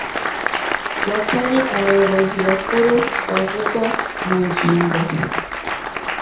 batari abayobozi bakuru bavugwa mu ngingo